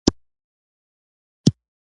اصطلاح باید د لیکنې ښکلا زیاته کړي